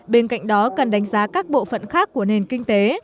bên cạnh đó cần đánh giá các bộ phận khác của nền kinh tế